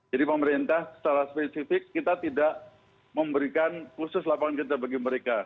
jadi pemerintah secara spesifik kita tidak memberikan khusus lapangan kerja bagi mereka